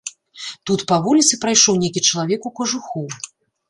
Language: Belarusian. Тут па вуліцы прайшоў нейкі чалавек у кажуху.